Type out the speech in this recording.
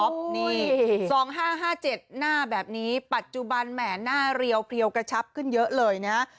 นี่๒๕๕๗หน้าแบบนี้ปัจจุบันแหมหน้าเรียวเพลียวกระชับขึ้นเยอะเลยนะ